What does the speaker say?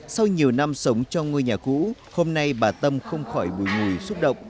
sau nhiều năm sống trong ngôi nhà cũ hôm nay bà tâm không khỏi bùi ngùi xúc động